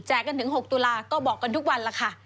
แจกกันถึง๖ตุลาคมก็บอกกันทุกวันละค่ะ